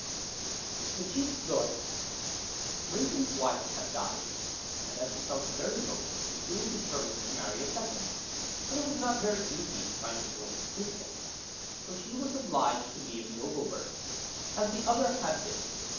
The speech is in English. THE CHIEF'S DAUGHTER Raven's wife had died, and as he felt very lonely he soon determined to marry a second, but it was not very easy to find a girl to suit him, for she was obliged to be of noble birth as the other had been.